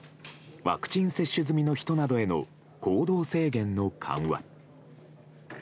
ワクチン接種済みの人などへの行動制限の緩和。